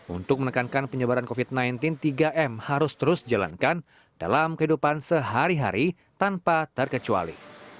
untuk menekankan penyebaran covid sembilan belas tiga m harus terus dijalankan dalam kehidupan sehari hari tanpa terkecuali